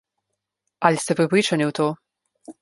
Ali ste prepričani v to?